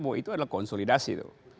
bahwa itu adalah konsolidasi